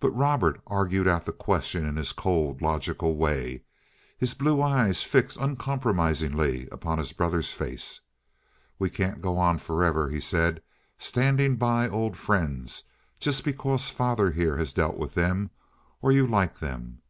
But Robert argued out the question in his cold, logical way, his blue eyes fixed uncompromisingly upon his brother's face. "We can't go on forever," he said, "standing by old friends, just because father here has dealt with them, or you like them.